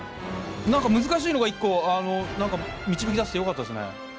何か難しいのが１個導き出せてよかったっすね。